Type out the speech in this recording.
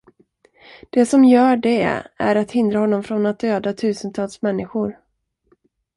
Det som gör det är att hindra honom från att döda tusentals människor.